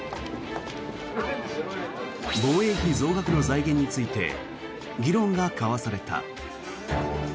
防衛費増額の財源について議論が交わされた。